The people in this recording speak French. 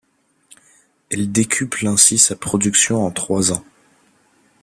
Elle décuple ainsi sa production en trois ans.